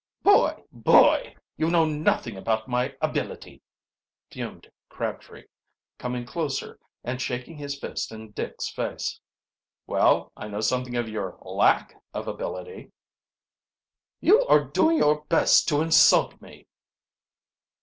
"Boy! Boy! You know nothing of my ability!" fumed Crabtree, coming closer and shaking, his fist in Dick's face. "Well, I know something of your lack of ability." "You are doing your best to insult me!"